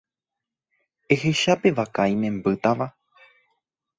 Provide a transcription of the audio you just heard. Ehecha pe vaka imembýtava.